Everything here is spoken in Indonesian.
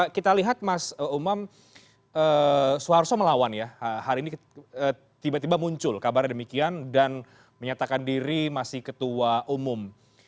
kita lihat mas umam suharto melawan ya hari ini tiba tiba muncul kabarnya demikian dan menyatakan diri masih ketua umum